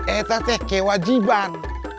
itu tuh kewajiban